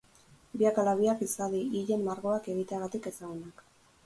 Biak ala biak izadi hilen margoak egiteagatik ezagunak.